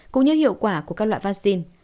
cũng như hiệu quả của các loại vaccine